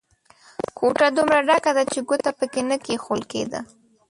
کوټه دومره ډکه ده چې ګوته په کې نه کېښول کېده.